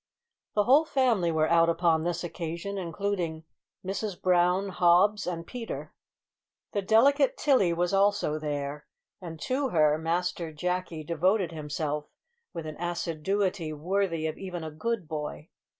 The whole family were out upon this occasion, including Mrs Brown, Hobbs, and Peter. The delicate Tilly was also there, and to her Master Jacky devoted himself with an assiduity worthy of even a good boy.